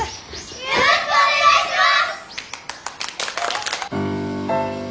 よろしくお願いします！